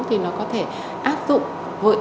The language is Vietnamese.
thì nó có thể áp dụng